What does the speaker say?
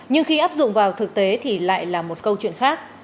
nhưng khi áp dụng vào thực tế thì lại là một câu chuyện khác